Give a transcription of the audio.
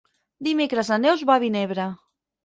Dimecres na Neus va a Vinebre.